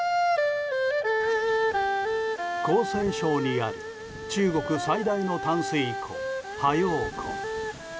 江西省にある中国最大の淡水湖、ハヨウ湖。